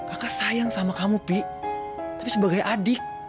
aka sayang sama kamu pi tapi sebagai adik